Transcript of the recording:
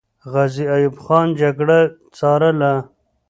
غازي ایوب خان جګړه ځارله.